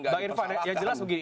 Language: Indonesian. mbak irvan ya jelas begini